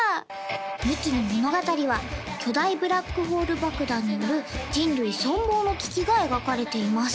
２期の物語は巨大ブラックホール爆弾による人類存亡の危機が描かれています